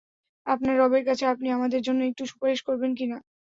আপনার রবের কাছে আপনি আমাদের জন্য একটু সুপারিশ করবেন কি?